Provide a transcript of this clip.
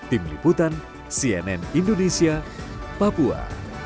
tim liputan cnn indonesia papua